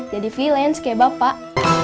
jadi freelance kayak bapak